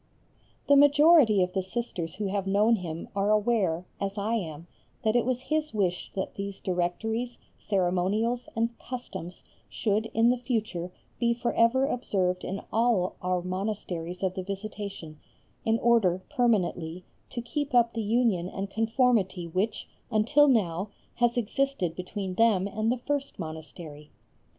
The majority of the Sisters who have known him are aware, as I am, that it was his wish that these Directories, Ceremonials, and Customs should, in the future, be for ever observed in all our monasteries of the Visitation, in order, permanently, to keep up the union and conformity which until now has existed between them and the first monastery.